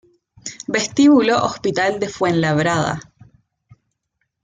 Vestíbulo Hospital de Fuenlabrada